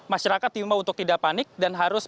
masyarakat diimbau untuk tidak panik dan harus